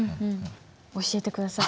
教えてください。